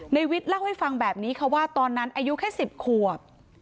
ในวิทย์เล่าให้ฟังแบบนี้ค่ะว่าตอนนั้นอายุแค่๑๐ขวบ